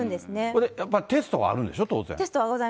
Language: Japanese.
これ、やっぱりテストはあるんでしょう、当然。